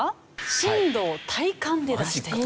震度を体感で出していた。